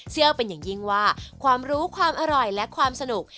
เชื่อเป็นอย่างยิ่งว่าความรู้ความอร่อยและความสนุก